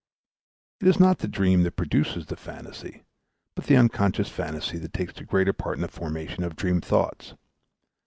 It is not the dream that produces the phantasy but the unconscious phantasy that takes the greatest part in the formation of the dream thoughts.